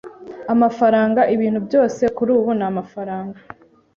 Amafaranga ibintu byose kurubu namafaranga